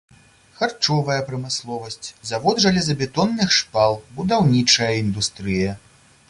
Харчовая прамысловасць, завод жалезабетонных шпал, будаўнічая індустрыя.